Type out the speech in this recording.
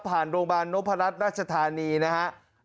ผ่านโรงพยาบาลโนภารัฐราชธานีนะครับ